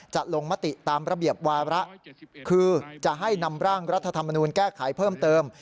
จะลงมติตามระเบียบวาระคือจะให้นำร่างรัฐธรรมนูลแก้ไขเพิ่มเติม